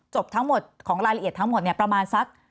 ทั้งหมดของรายละเอียดทั้งหมดเนี่ยประมาณสัก